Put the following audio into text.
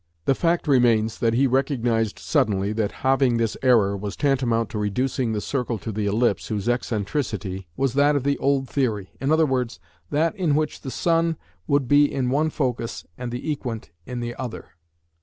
The fact remains that he recognised suddenly that halving this error was tantamount to reducing the circle to the ellipse whose eccentricity was that of the old theory, i.e. that in which the sun would be in one focus and the equant in the other.